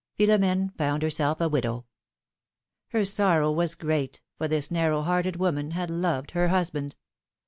Philom^ne found herself a widow. Her sorrow was great, for this narrow hearted woman had loved her husband.